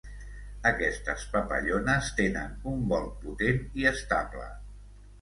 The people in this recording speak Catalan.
Aquestes papallones tenen un vol potent i estable.